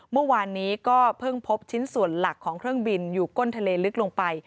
เมื่อวานนี้ก็เพิ่งพบชิ้นส่วนหลักของเครื่องบินอยู่ก้นทะเลลึกลงไป